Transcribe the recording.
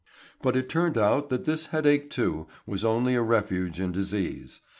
But it turned out that this headache, too, was only a refuge in disease.